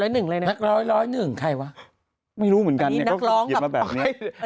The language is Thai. ศอย๑๐๑เลยเนี่ย